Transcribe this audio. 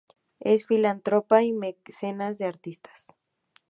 Es filántropa y mecenas de artistas.